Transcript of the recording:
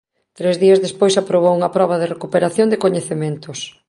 Tres días despois aprobou unha proba de recuperación de coñecementos.